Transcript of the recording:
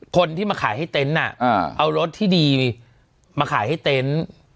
คนที่มาขายให้เต็นต์เอารถที่ดีมาขายให้เต็นต์